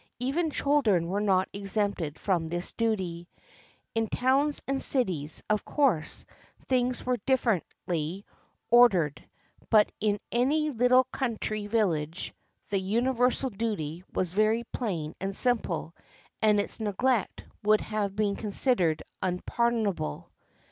Even children were not exempted from this duty. In towns and cities, of course, things were differently or dered; but in any little country village the universal duty was very plain and simple, and its neglect would have been considered unpardonable.